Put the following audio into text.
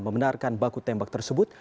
membenarkan baku tembak tersebut